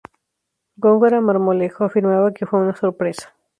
Góngora Marmolejo afirmaba que fue una sorpresa.